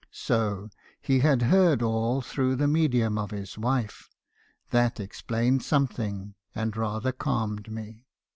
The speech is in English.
"So, he had heard all through the medium of his wife. That explained something, and rather calmed me.